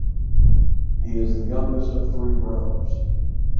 He is the youngest of three brothers.